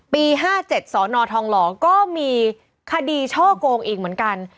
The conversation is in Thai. ๕๗สนทองหล่อก็มีคดีช่อกงอีกเหมือนกัน